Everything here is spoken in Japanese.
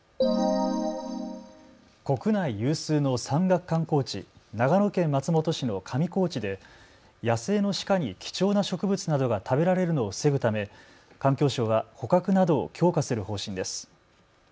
国内有数の山岳観光地、長野県松本市の上高地で野生のシカに貴重な植物などが食べられるのを防ぐため環境省は捕獲などを強化する方針です。